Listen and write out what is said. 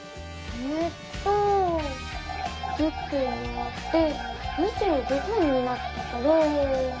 えっと１０本もらって２５本になったから。